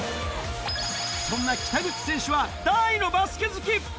そんな北口選手は大のバスケ好き。